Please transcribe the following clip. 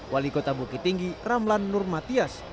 wali kota bukit tinggi ramlan nurmatias